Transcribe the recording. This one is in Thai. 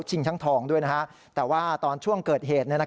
ทั้งทองด้วยแต่ว่าตอนช่วงเกิดเหตุ